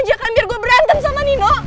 lo sengaja kan biar gue berantem sama nino